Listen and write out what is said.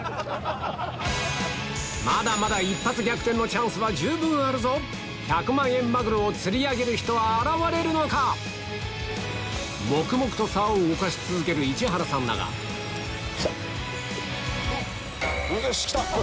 まだまだ一発逆転のチャンスは十分あるぞ１００万円マグロを釣り上げる人は現れるのか⁉黙々とさおを動かし続ける市原さんだがきた。